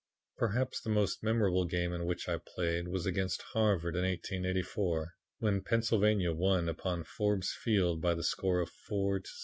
"Perhaps the most memorable game in which I played was against Harvard in 1884 when Pennsylvania won upon Forbes Field by the score of 4 to 0.